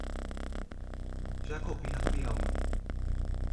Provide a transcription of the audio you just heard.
Jacobina do Piauí